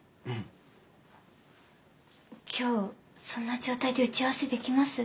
今日そんな状態で打ち合わせできます？